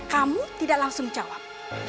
kamu tidak langsung jawab